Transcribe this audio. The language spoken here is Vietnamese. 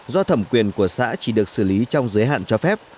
do thẩm quyền của xã chỉ được xử lý trong giới hạn cho phép